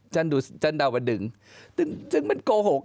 ฉันดูฉันเดาวันนึงซึ่งมันโกหก